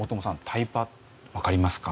タイパわかりますか？